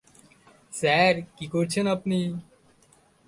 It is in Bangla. স্যার, কী করছেন আপনি?